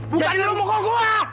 bukan lu mukul gua